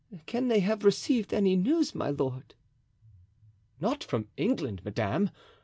Can they have received any news, my lord?" "Not from England, madame.